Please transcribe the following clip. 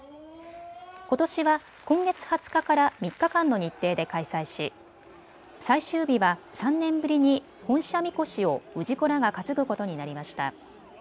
ことしは今月２０日から３日間の日程で開催し最終日は３年ぶりに本社神輿を氏子らが担ぐことになりました。